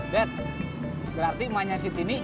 bet berarti emangnya si tini